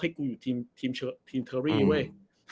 กูอยู่ทีมเทอรี่เว้ย